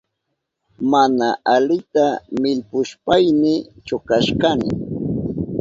Mana alita millpushpayni chukashkani.